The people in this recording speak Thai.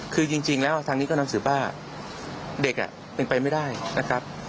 คือจริงแล้วทางนี้ก็นำสืบว่าเด็กเป็นไปไม่ได้นะครับ